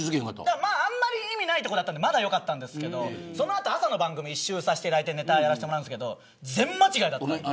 あんまり意味がないところだったんでまだ、良かったですけどその後、朝の番組一周させていただいてネタをやらせてもらったんですが全部間違えた。